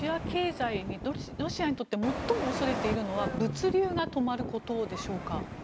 ロシアにとって最も恐れているのは物流が止まることでしょうか？